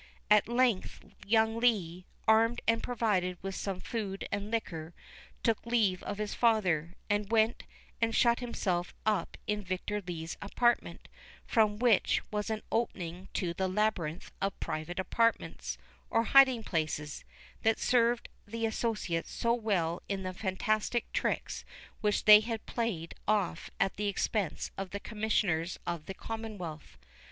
At length young Lee, armed and provided with some food and liquor, took leave of his father, and went and shut himself up in Victor Lee's apartment, from which was an opening to the labyrinth of private apartments, or hiding places, that had served the associates so well in the fantastic tricks which they had played off at the expense of the Commissioners of the Commonwealth.